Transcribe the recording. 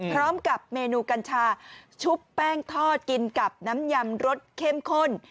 พร้อมกับเมนูกัญชาชุบแป้งทอดกินกับน้ำยำรสเข้มข้น